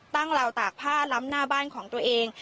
เหล่าตากผ้าล้ำหน้าบ้านของตัวเอง